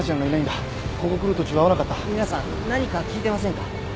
ミナさん何か聞いてませんか？